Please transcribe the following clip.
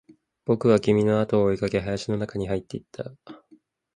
僕は君のあとを追いかけ、林の中に入っていった